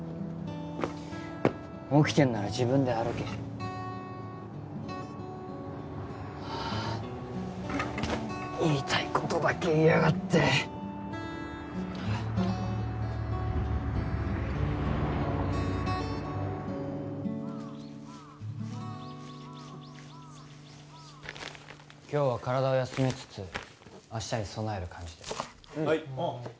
起きてんなら自分で歩け言いたいことだけ言いやがって今日は体を休めつつ明日に備える感じではい